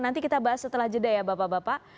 nanti kita bahas setelah jeda ya bapak bapak